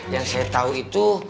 yang saya tau itu